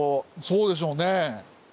そうでしょうね。